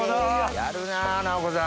やるなぁ尚子さん。